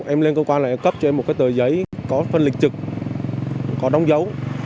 em lên cơ quan là em cấp cho em một cái tờ giấy có phân lịch trực có đông dấu